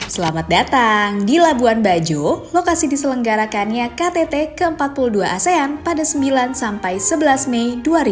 selamat datang di labuan bajo lokasi diselenggarakannya ktt ke empat puluh dua asean pada sembilan sampai sebelas mei dua ribu dua puluh